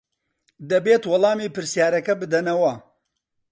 دەبێت وەڵامی پرسیارەکە بدەنەوە.